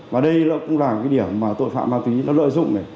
và đây cũng là cái điểm mà tội phạm ma túy lợi dụng